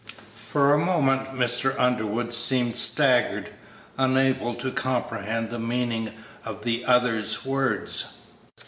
For a moment Mr. Underwood seemed staggered, unable to comprehend the meaning of the other's words.